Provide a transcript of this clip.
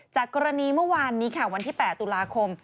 จากกรณีเมื่อวานนี้ค่ะวันที่๘ตุลาคม